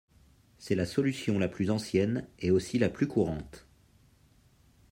C'est la solution la plus ancienne et aussi la plus courante.